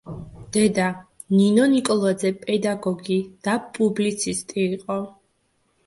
დედა, ნინო ნიკოლაძე პედაგოგი და პუბლიცისტი იყო.